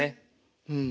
うん。